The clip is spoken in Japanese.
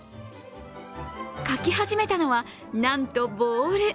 描き始めたのは、なんとボウル。